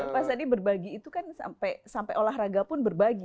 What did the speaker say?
mas andi berbagi itu kan sampai olahraga pun berbagi